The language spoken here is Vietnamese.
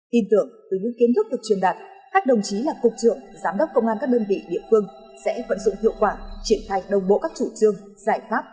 tin tưởng từ những kiến thức được truyền đạt các đồng chí là cục trưởng giám đốc công an các đơn vị địa phương sẽ vận dụng hiệu quả triển khai đồng bộ các chủ trương giải pháp